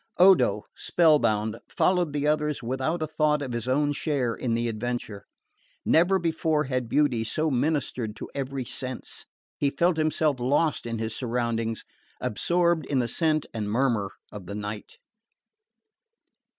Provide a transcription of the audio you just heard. Odo, spellbound, followed the others without a thought of his own share in the adventure. Never before had beauty so ministered to every sense. He felt himself lost in his surroundings, absorbed in the scent and murmur of the night.